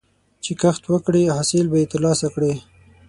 چې کښت وکړې، حاصل به یې ترلاسه کړې.